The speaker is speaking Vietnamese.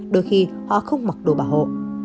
đôi khi họ không mặc đồ bảo hộ